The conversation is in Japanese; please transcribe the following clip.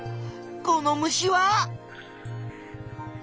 この虫は。